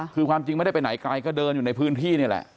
คือความจริงไม่ได้ไปไหนไกลก็เดินอยู่ในพื้นที่นี่แหละ